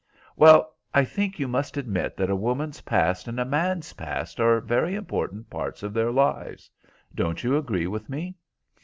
"Well, I think you must admit that a woman's past and a man's past are very important parts of their lives. Don't you agree with me?"